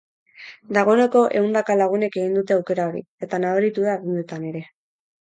Dagoeneko ehundaka lagunek egin dute aukera hori, eta nabaritu da dendetan ere.